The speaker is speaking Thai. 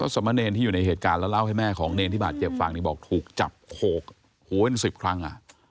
สมเนรที่อยู่ในเหตุการณ์แล้วเล่าให้แม่ของเนรที่บาดเจ็บฟังบอกถูกจับโขกหัวเป็น๑๐ครั้ง